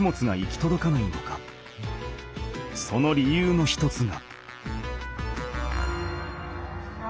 その理由の一つが。